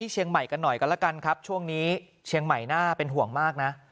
เชียงใหม่กันหน่อยกันแล้วกันครับช่วงนี้เชียงใหม่น่าเป็นห่วงมากนะ